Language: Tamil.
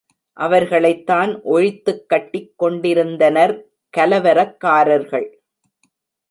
அவர்களைத் தான் ஒழித்துக்கட்டி கொண்டிருந்தனர் கலவரக்காரர்கள்.